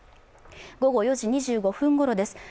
午後４時２５分ごろです。